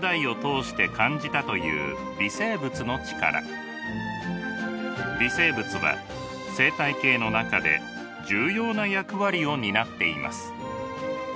大村さんが微生物は生態系の中で重要な役割を担っています。